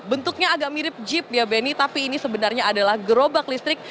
bentuknya agak mirip jeep ya benny tapi ini sebenarnya adalah gerobak listrik